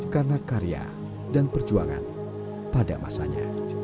karena karya dan perjuangan pada masanya